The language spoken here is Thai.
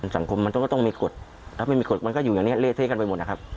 สั่งคมก็ต้องมีกฏถ้าไม่มีกฏมันก็อยู่อย่างนี้เลสเทขันไปหมดครับ